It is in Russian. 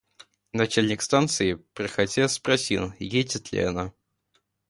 Начальник станции, проходя, спросил, едет ли она.